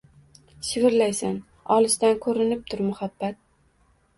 Shivirlaysan: – Olisdan ko‘rinib tur, muhabbat.